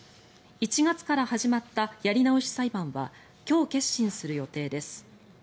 １月から始まったやり直し裁判は今日、結審する予定です。